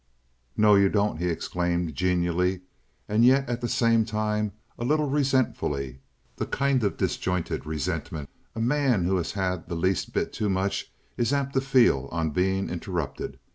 "No, you don't," he exclaimed, genially, and yet at the same time a little resentfully—the kind of disjointed resentment a man who has had the least bit too much is apt to feel on being interrupted.